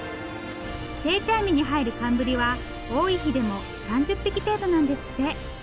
定置網に入る寒ブリは多い日でも３０匹程度なんですって。